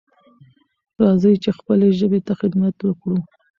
راځئ چې خپلې ژبې ته خدمت وکړو.